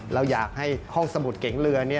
เราอยากให้ห้องสมุดเก๋งเรือ